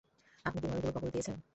আপনি কী ময়ূরগুলো কবর দিয়েছেন?